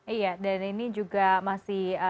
iya dan ini juga masih